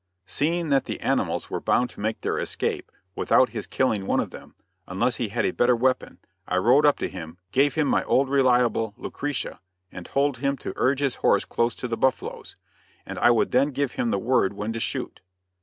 Seeing that the animals were bound to make their escape without his killing one of them, unless he had a better weapon, I rode up to him, gave him my old reliable "Lucretia," and told him to urge his horse close to the buffaloes, and I would then give him the word when to shoot.